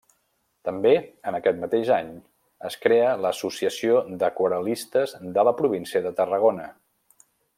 També, en aquest mateix any, es crea l'Associació d'Aquarel·listes de la província de Tarragona.